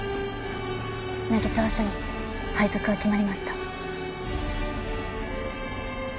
汀沢署に配属が決まりました。